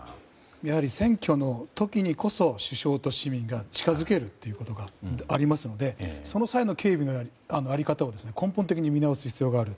やはり選挙の時にこそ首相と市民が近づけるということがありますのでその際の警備の在り方を根本的に見直す必要がある。